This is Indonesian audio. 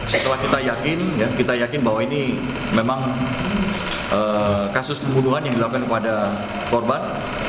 setelah kita yakin kita yakin bahwa ini memang kasus pembunuhan yang dilakukan kepada korban